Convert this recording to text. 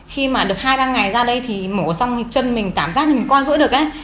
khi mà được hai ba ngày ra đây thì mổ xong chân mình cảm giác như mình qua rỗi được ấy